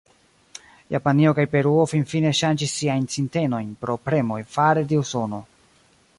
Japanio kaj Peruo finfine ŝanĝis siajn sintenojn pro premoj fare de Usono.